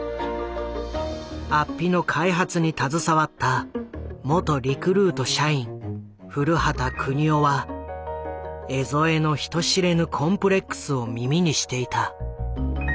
安比の開発に携わった元リクルート社員古旗邦夫は江副の人知れぬコンプレックスを耳にしていた。